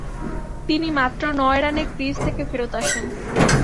তিনি মাত্র নয় রানে ক্রিজ থেকে ফেরৎ আসেন।